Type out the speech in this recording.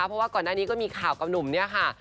เพราะว่าก่อนหน้านี้ก็มีข่าวกับหนุ่มเนี่ยค่ะ